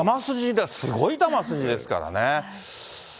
球筋、すごい球筋ですからね。